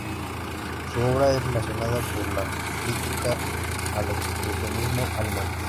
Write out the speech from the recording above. Su obra es relacionada por la crítica al expresionismo alemán.